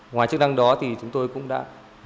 ngoài chức năng đó thì chúng tôi cũng đã